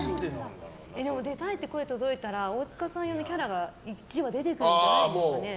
でも、出たいっていう声が届いたら大塚さん用のキャラが１話出てくるんじゃないですかね。